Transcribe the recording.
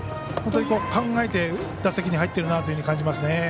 考えて打席に入っているなと感じますね。